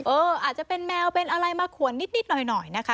อาจจะเป็นแมวเป็นอะไรมาขวนนิดหน่อยนะคะ